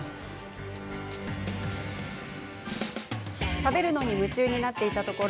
食べるのに夢中になっていたところ